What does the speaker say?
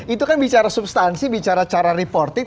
itu kan bicara substansi bicara cara reporting